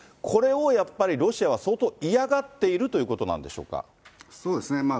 これをやっぱり、ロシアは相当嫌がっているということなんでしょうそうですね。